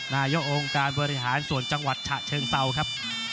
นายกองค์การบริหารส่วนจังหวัดฉะเชิงเซาครับ